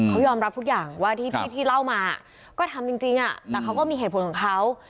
เขายอมรับทุกอย่างว่าที่เล่ามาก็ทำจริงแต่เขาก็มีเหตุผลของเขา